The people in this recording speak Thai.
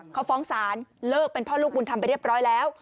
เขาฟ้องศาลเลิกเป็นพ่อลูกบุญธรรมไปเรียบร้อยแล้ว